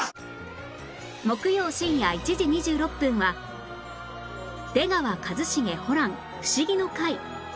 木曜深夜１時２６分は『出川一茂ホラン☆フシギの会』